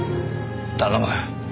頼む。